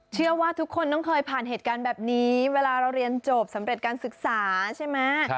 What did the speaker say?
เชื่อว่าทุกคนต้องเคยผ่านเหตุการณ์แบบนี้เวลาเราเรียนจบสำเร็จการศึกษาใช่ไหม